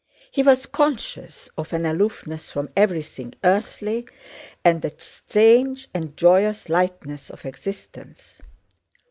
He was conscious of an aloofness from everything earthly and a strange and joyous lightness of existence.